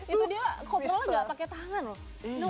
itu dia kok pro gak pakai tangan loh